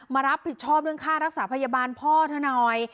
มารับผิดชอบเรื่องค่ารักษาพยาบาลพ่อเธอหน่อย